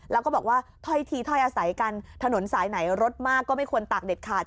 แล้วก็บอกว่าถ้อยทีถ้อยอาศัยกันถนนสายไหนรถมากก็ไม่ควรตากเด็ดขาด